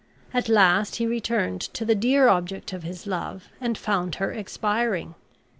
At last he returned to the dear object of his love and found her expiring.